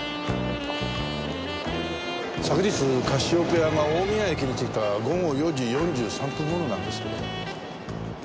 昨日カシオペアが大宮駅に着いた午後４時４３分頃なんですけど。